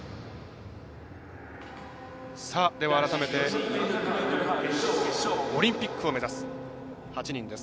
改めて、オリンピックを目指す８人です。